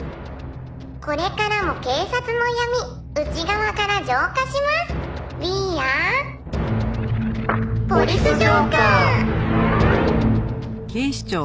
「これからも警察の闇内側から浄化します」「ウィーアー」「ポリス浄化ぁ！」